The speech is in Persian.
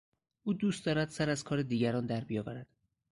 او دوست دارد سر از کار دیگران در بیاورد.